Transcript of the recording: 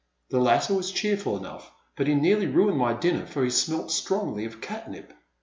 The latter was cheerful enough, but he nearly ruined my dinner for he smelled strongly of catnip.